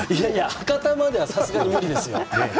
博多まではさすがに無理ですよ。